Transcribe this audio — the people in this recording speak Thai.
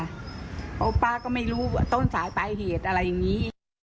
เพราะป้าก็ไม่รู้ต้นสายปลายเหตุอะไรอย่างนี้